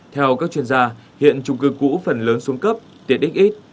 theo các chuyên gia hiện trung cư cũ phần lớn xuống cấp tiện ích ít